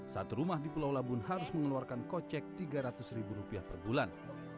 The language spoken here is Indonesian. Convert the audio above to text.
satu rumah di pulau labun harus mengeluarkan kocek rp tiga ratus ribu rupiah per bulan